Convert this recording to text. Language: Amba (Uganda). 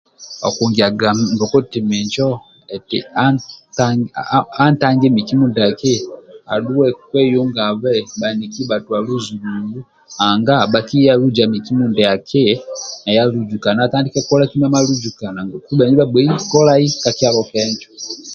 Okugiaga mbokoti minjo eti antange miki mindiaki adhuwe kweyungabe bhaniki bhatua luzu luzu ndibha anga bhakiya luza miki mindiaki atandike kola kima maluzukana ngoku nabho bhagbei kolai ka kyalo kenjo